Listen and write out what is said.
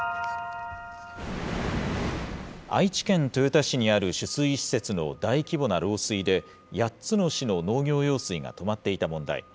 愛知県豊田市にある取水施設の大規模な漏水で、８つの市の農業用水が止まっていた問題。